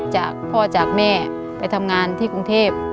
จากพ่อจากแม่ไปทำงานที่กรุงเทพ